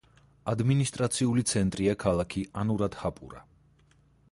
ადმინისტრაციული ცენტრია ქალაქი ანურადჰაპურა.